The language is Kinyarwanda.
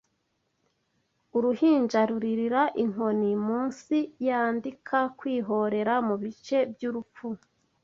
Uruhinja ruririra Inkoni munsi Yandika Kwihorera mubice byurupfu